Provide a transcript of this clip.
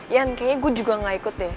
ian kayaknya gue juga enggak ikut deh